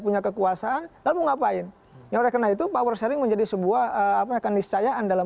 punya kekuasaan kamu ngapain yang kena itu power sharing menjadi sebuah apakah miscayaan dalam